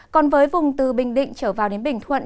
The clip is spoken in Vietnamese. còn với vùng từ bình định trở vào đến bình thuận